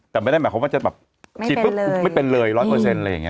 แต่ไม่ได้หมายความว่าจะแบบฉีดปุ๊บไม่เป็นเลย๑๐๐อะไรอย่างนี้